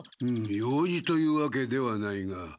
用事というわけではないが。